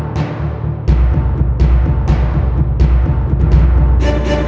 ร้องได้ให้ร้อง